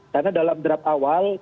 karena dalam draft awal pemerintahan